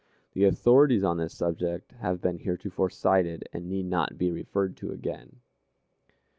The authorities on this subject have been heretofore cited, and need not be referred to again.